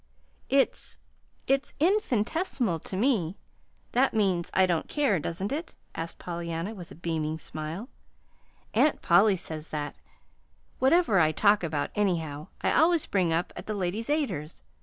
"It's it's infinitesimal to me. That means I don't care, doesn't it?" asked Pollyanna, with a beaming smile. "Aunt Polly says that, whatever I talk about, anyhow, I always bring up at the Ladies' Aiders.